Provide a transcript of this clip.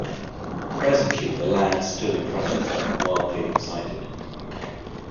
Presently the lad stood in front of her, wildly excited.